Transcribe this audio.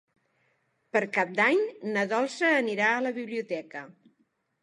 Per Cap d'Any na Dolça anirà a la biblioteca.